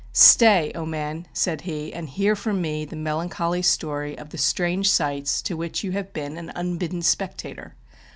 " Stay, oh, man !" said he, " und hear from me the melancholy story of the strange sights to which you have beeu an unbidden spectator.